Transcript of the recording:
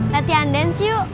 latihan dance yuk